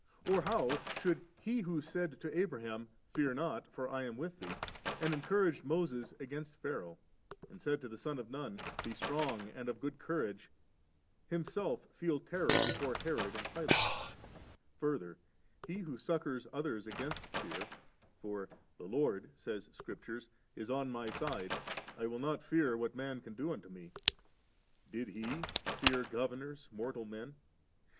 And how should He who said to Abra ham, *Fear not, for I am with thee,' and encouraged Moses against Pharaoh, and said to the son of Nun, ' Be strong, and of a good courage 7,' Himself feel terror before Herod and Pilate ? Further, He who succours others against fear (for ' the Lord,* says Scripture, ' is on my side, I will not fear what man shall do unto me^'), did He fear governors, mortal men